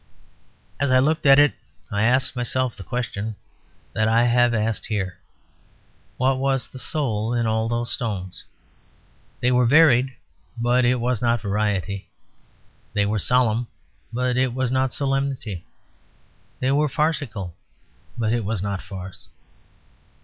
As I looked at it I asked myself the questions that I have asked here; what was the soul in all those stones? They were varied, but it was not variety; they were solemn, but it was not solemnity; they were farcical, but it was not farce.